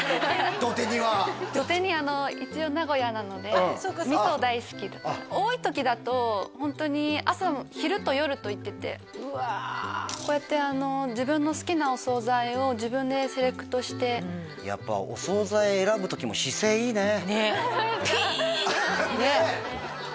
どて煮はどて煮一応多い時だとホントに朝昼と夜と行っててこうやって自分の好きなお総菜を自分でセレクトしてやっぱお総菜選ぶ時も姿勢いいねねっピーンってねえ